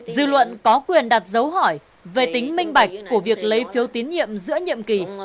dư luận có quyền đặt dấu hỏi về tính minh bạch của việc lấy phiếu tín nhiệm giữa nhiệm kỳ